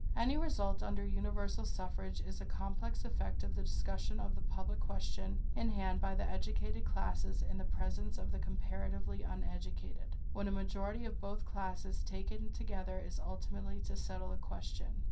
Any result under universal suffrage is a complex effect of the discussion of the public question in hand by the educated classes in the presence of the comparatively uneducated, when a majority of both classes taken together is ultimately to settle the question.